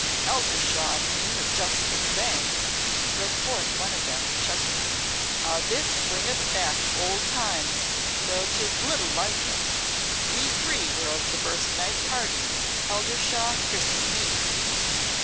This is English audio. "Eldershawe and me have just been saying," broke forth one of them, chuckling, "how this bringeth back old times, though 'tis little like them. We three were of the birthnight party Eldershawe, Chris, and me.